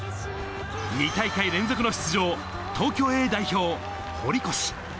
２大会連続の出場、東京Ａ代表、堀越。